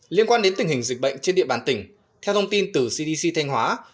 liên quan đến tình hình dịch bệnh trên địa bàn tỉnh theo thông tin từ cdc thanh hóa